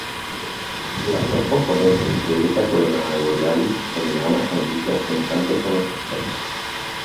Las dos componentes de Eta Coronae Borealis son enanas amarillas semejantes a nuestro Sol.